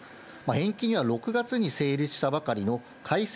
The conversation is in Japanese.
延期には、６月に成立したばかりの改正